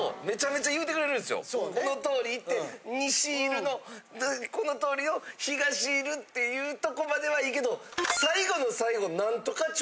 この通り行って西入ルのこの通りを東入ルっていうとこまではいいけど最後の。